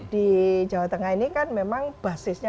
di jawa tengah ini kan memang basisnya